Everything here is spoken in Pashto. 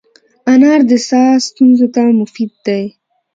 انار د ساه ستونزو ته مفید دی.